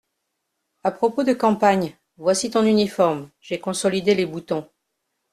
À propos de campagne, voici ton uniforme, j’ai consolidé les boutons…